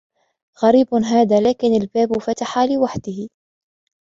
غريب هذا، لكن الباب فتح لوحده.